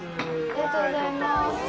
ありがとうございます。